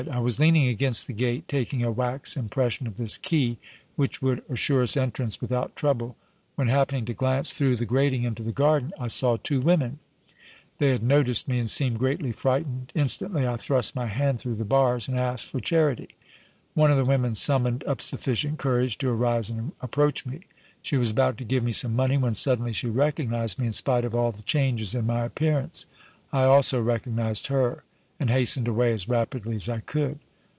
I was leaning against the gate, taking a wax impression of this key, which would assure us entrance without trouble, when, happening to glance through the grating into the garden, I saw two women; they had noticed me and seemed greatly frightened. Instantly I thrust my hand through the bars and asked for charity. One of the women summoned up sufficient courage to arise and approach me; she was about to give me some money, when suddenly she recognized me in spite of all the changes in my appearance. I also recognized her and hastened away as rapidly as I could."